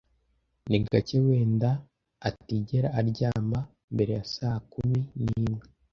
Ni gake, wenda atigera, aryama mbere ya saa kumi n'imwe.